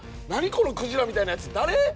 このクジラみたいなやつ誰？